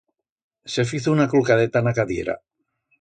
Se fizo una clucadeta en a cadiera.